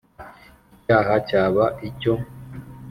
icyaha cyaba icyo.